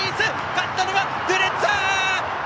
勝ったのはドゥレッツァ！